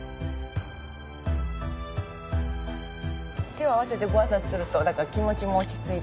手を合わせてごあいさつするとなんか気持ちも落ち着いて。